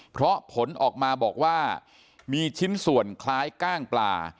เพราะผลออกมาบอกว่ามีชิ้นส่วนคล้ายก้างปลา